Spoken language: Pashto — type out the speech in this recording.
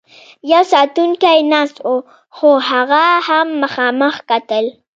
یو ساتونکی ناست و، خو هغه هم مخامخ کتل.